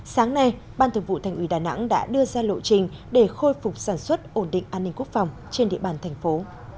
sáng nay ban thường vụ thành ủy đà nẵng đã đưa ra lộ trình để khôi phục sản xuất ổn định an ninh quốc phòng trên địa bàn thành phố